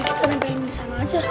nempelin disana aja